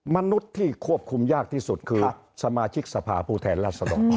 มนุษย์ที่ควบคุมยากที่สุดคือสมาชิกสภาผู้แทนรัศดร